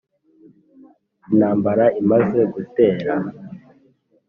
intambara imaze gutera,